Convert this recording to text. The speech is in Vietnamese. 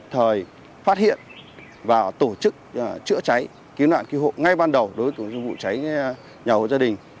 thời phát hiện và tổ chức chữa cháy cứu nạn cứu hộ ngay ban đầu đối tượng vụ cháy nhà hộ gia đình